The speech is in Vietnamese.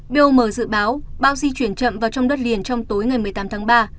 biom dự báo bão di chuyển chậm vào trong đất liền trong tối ngày một mươi tám tháng ba